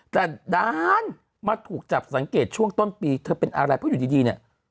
แต่ด้านมาถูกจับสังเกตช่วงต้นปีเธอเป็นอะไรเพราะอยู่ดีเนี่ย